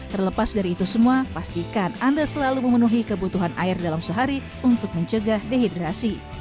terlepas dari itu semua pastikan anda selalu memenuhi kebutuhan air dalam sehari untuk mencegah dehidrasi